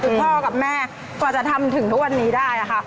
คือพ่อกับแม่กว่าจะทำถึงทุกวันนี้ได้ค่ะ